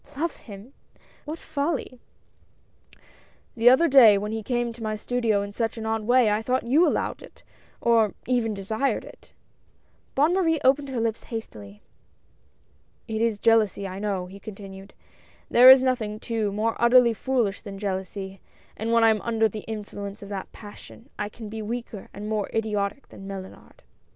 " Love him ? What folly !" QUARRELS AND INSULTS. 163 " The other day, when he came to my studio in such an odd way, I thought you allowed it — or even desired it." Bonne Marie opened her lips hastily. "It is jealousy, I know," he continued; "there is nothing, too, more utterly foolish than jealousy, and when I am under the influence of that passion, I can be weaker and more idiotic than Mellunard